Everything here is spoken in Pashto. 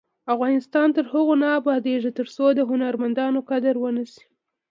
افغانستان تر هغو نه ابادیږي، ترڅو د هنرمندانو قدر ونشي.